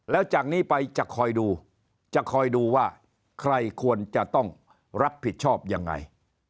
แล้วจากนี้ไปจะคอยดูจะคอยดูว่าใครควรจะต้องรับผิดชอบยังไง